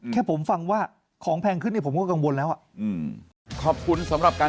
แค่ผมฟังว่าของแพงขึ้น